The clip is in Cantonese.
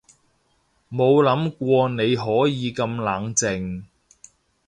冇諗過你可以咁冷靜